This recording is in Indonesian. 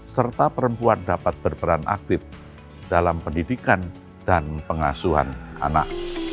serta perempuan dapat berperan aktif dalam pendidikan dan pengasuhan anak